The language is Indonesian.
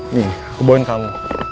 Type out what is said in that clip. nih aku bawain kamu